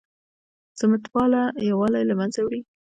سمت پالنه یووالی له منځه وړي